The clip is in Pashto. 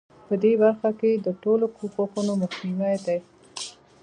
په دې برخه کې د ټولو کوښښونو مخنیوی دی.